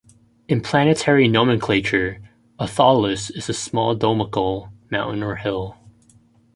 In planetary nomenclature, a "tholus" is a "small domical mountain or hill".